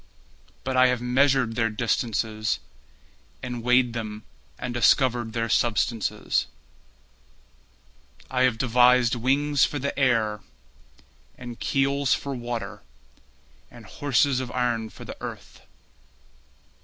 But I have measured their distances And weighed them and discovered their substances. I have devised wings for the air, And keels for water, And horses of iron for the earth.